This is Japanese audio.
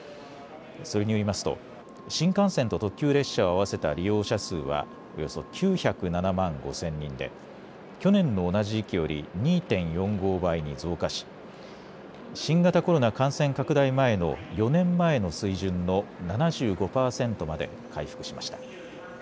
それによりますと、新幹線と特急列車を合わせた利用者数はおよそ９０７万５０００人で、去年の同じ時期より２．４５倍に増加し、新型コロナ感染拡大前の４年前の水準の７５％まで回復しました。